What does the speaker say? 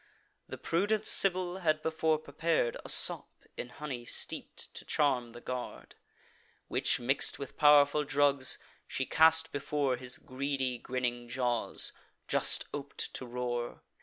The prudent Sibyl had before prepar'd A sop, in honey steep'd, to charm the guard; Which, mix'd with pow'rful drugs, she cast before His greedy grinning jaws, just op'd to roar.